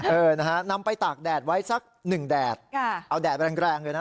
เออนะฮะนำไปตากแดดไว้สักหนึ่งแดดค่ะเอาแดดแรงแรงเลยนะ